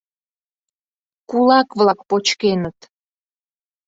— Кулак-влак почкеныт.